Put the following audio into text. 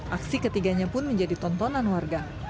aksi ketiganya pun menjadi tontonan warga